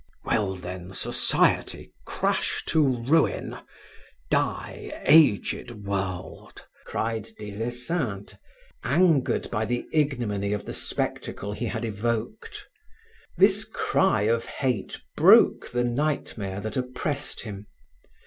"Well, then, society, crash to ruin! Die, aged world!" cried Des Esseintes, angered by the ignominy of the spectacle he had evoked. This cry of hate broke the nightmare that oppressed him.